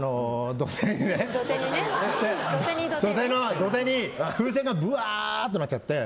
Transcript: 土手に風船がぶわーってなっちゃって。